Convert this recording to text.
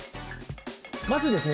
まずですね